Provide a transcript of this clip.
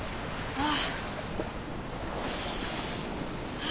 ・ああ。